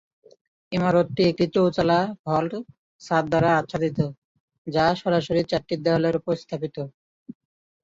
ইমারতটি একটি ‘চৌচালা ভল্ট’ ছাদ দ্বারা আচ্ছাদিত, যা সরাসরি চারটি দেয়ালের উপর স্থাপিত।